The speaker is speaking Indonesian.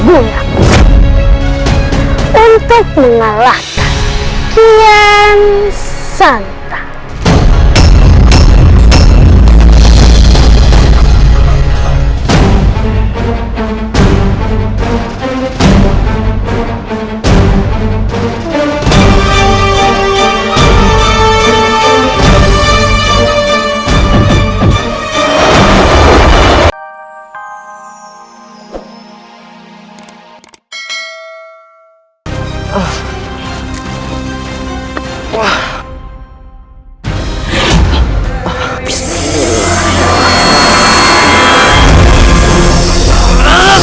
untuk mengalahkan kian santan